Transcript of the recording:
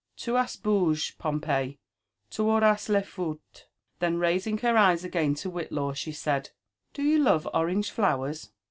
Tu as boug6, Pompey ! tu auras le fouct." Then raising her eyes again to Whitlaw, she said, *• Do you love orange flowers?"